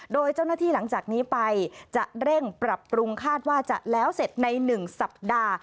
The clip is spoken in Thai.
โดยเจ้าหน้าที่หลังจากนี้ไปจะเร่งปรับปรุงคาดว่าจะแล้วเสร็จใน๑สัปดาห์